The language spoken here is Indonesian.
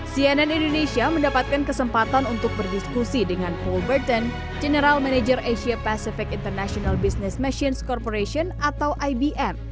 cnn indonesia mendapatkan kesempatan untuk berdiskusi dengan paul burton general manager asia pacific international business machine corporation atau ibr